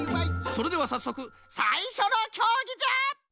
それではさっそくさいしょのきょうぎじゃ！